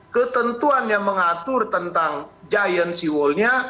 ketentuan yang mengatur tentang giant seawallnya